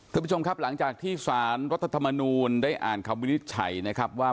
ท่านผู้ชมครับหลังจากที่สารรัฐธรรมนูลได้อ่านคำวินิจฉัยนะครับว่า